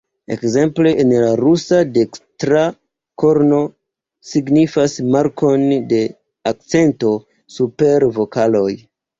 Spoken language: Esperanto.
Ekzemple en la rusa dekstra korno signifas markon de akcento super vokaloj.